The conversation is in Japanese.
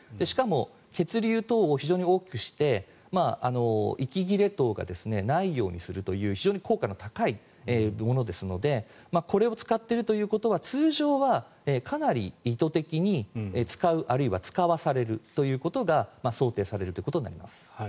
しかも、血流等を非常に多くして息切れ等がないようにするという非常に効果の高いものですのでこれを使っているということは通常はかなり意図的に使うあるいは使わされることが想定されることになります。